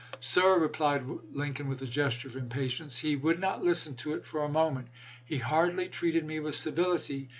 Sir (replied Lincoln, with a gesture of impatience), he would not listen to it for a moment; he hardly treated me with civility.